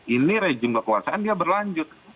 ini rejim kekuasaan dia berlanjut